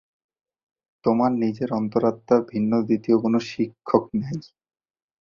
তোমার নিজের অন্তরাত্মা ভিন্ন দ্বিতীয় কোন শিক্ষক নাই।